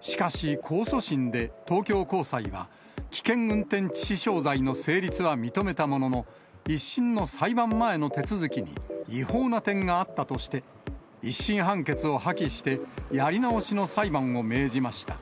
しかし控訴審で、東京高裁は危険運転致死傷罪の成立は認めたものの、１審の裁判前の手続きに違法な点があったとして、１審判決を破棄してやり直しの裁判を命じました。